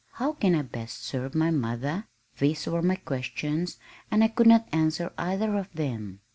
How can I best serve my mother?" These were my questions and I could not answer either of them.